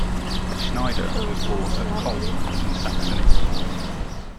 Schneider was born at Collm in Saxony.